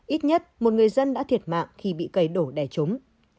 ít nhất một người dân đã thiệt mạng khi bị cây đổ đè trúng